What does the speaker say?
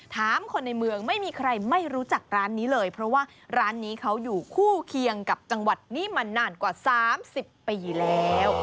ถามคนในเมืองไม่มีใครไม่รู้จักร้านนี้เลยเพราะว่าร้านนี้เขาอยู่คู่เคียงกับจังหวัดนี้มานานกว่า๓๐ปีแล้ว